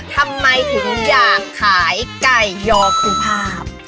ทำไมถึงอยากขายไก่ยอคุณภาพ